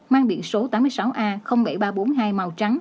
mang biển số tám mươi sáu a bảy nghìn ba trăm bốn mươi hai màu trắng